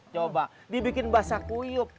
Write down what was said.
coba dibikin basah kuyuk